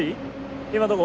今どこ？